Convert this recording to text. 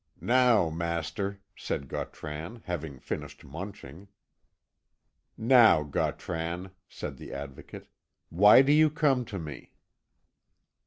"Now, master," said Gautran, having finished munching. "Now, Gautran," said the Advocate, "why do you come to me?"